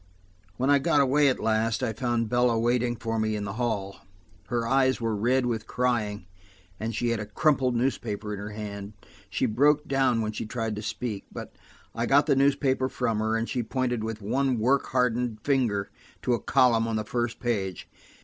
When I got away at last, I found Bella waiting for me in the hall. Her eyes were red with crying, and she had a crumpled newspaper in her hand. She broke down when she tried to speak, but I got the newspaper from her, and she pointed with one work hardened finger to a column on the first page.